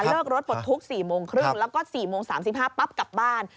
เลิกรถปลดทุกข์๔โมงครึ่งแล้วก็๔โมง๓๕ปั๊บกลับบ้าน